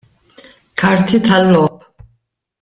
Karti tal-logħob.